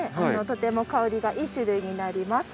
とても香りがいい種類になります。